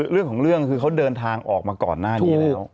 เรื่องของเรื่องคือเขาเดินทางออกมาก่อนหน้านี้แล้ว